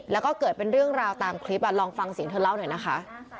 แล้วก็เกิดเป็นเรื่องราวตามคลิปลองฟังเสียงเธอเล่าหน่อยนะคะ